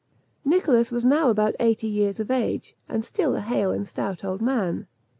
Nicholas was now about eighty years of age, and still a hale and stout old man.